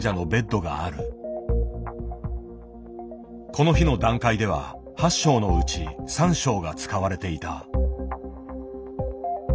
この日の段階では８床のうち３床が使われていた。